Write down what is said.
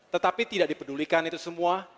tetapi tidak dipedulikan itu semua